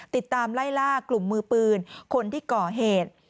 ติดตามไล่ล่ากลุ่มมือปืนคนที่ก่อเหตุ